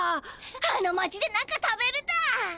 あの町で何か食べるだ！